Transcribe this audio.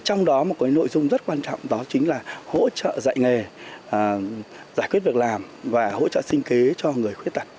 trong đó một nội dung rất quan trọng đó chính là hỗ trợ dạy nghề giải quyết việc làm và hỗ trợ sinh kế cho người khuyết tật